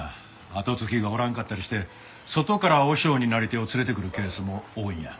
跡継ぎがおらんかったりして外から和尚になり手を連れてくるケースも多いんや。